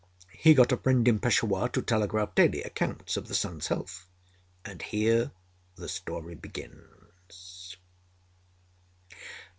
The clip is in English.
He got a friend in Peshawar to telegraph daily accounts of the son's health. And here the story begins.